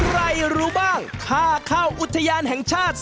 รู้บ้างค่าเข้าอุทยานแห่งชาติ